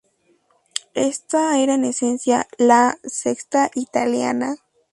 Esta era en esencia, la "sexta Italiana".